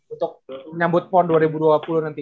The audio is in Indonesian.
untuk menyambut pon dua ribu dua puluh nanti